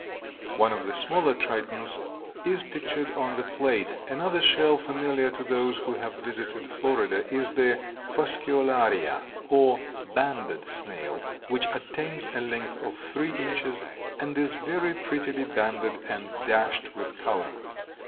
One of the smaller Tritons is pictured on the plate. Another shell familiar to those who have visited Florida is the Fasciolaria or banded snail, which attains a length of three inches and is very prettily banded and dashed with color.